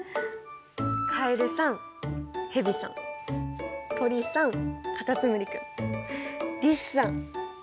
カエルさんヘビさん鳥さんカタツムリ君リスさん。